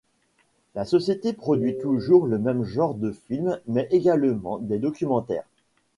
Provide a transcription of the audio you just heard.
La société produit toujours le même genre de films mais également des documentaires.